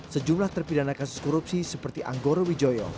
sejumlah terpidana kasus korupsi seperti anggoro wijoyo